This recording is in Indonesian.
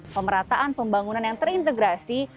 pemerataan pembangunan yang terintegrasi